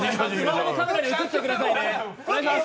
スマホのカメラに写ってくださいね。